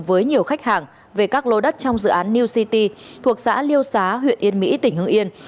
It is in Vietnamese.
với nhiều khách hàng về các lô đất trong dự án new city thuộc xã liêu xá huyện yên mỹ tỉnh hưng yên